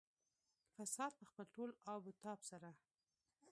فساد په خپل ټول آب او تاب سره.